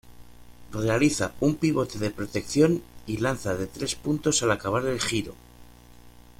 Realiza un pivote de protección y lanza de tres puntos al acabar el giro.